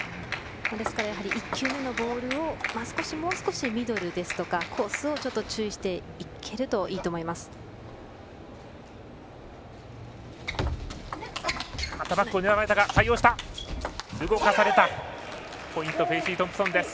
ですから、１球目のボールをもう少しミドルですとかコースを注意していけるといいと思います。